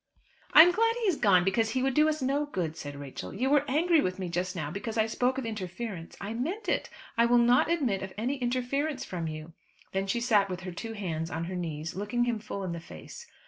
"I am glad he has gone, because he would do us no good," said Rachel. "You were angry with me just now because I spoke of interference. I meant it. I will not admit of any interference from you." Then she sat with her two hands on her knees, looking him full in the face.